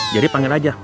jadi panggil aja